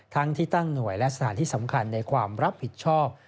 ทั้งที่ตั้งหน่วยและสถานที่สำคัญในความรับผิดชอบ